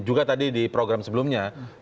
juga tadi di program sebelumnya